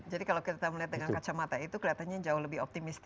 jadi kalau kita melihat dengan kacamata itu kelihatannya jauh lebih optimistis ya